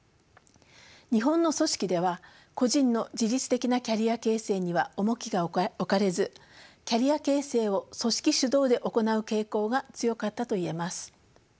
日本の組織では個人の自律的なキャリア形成には重きが置かれずキャリア形成を組織主導で行う傾向が強かったと言えます。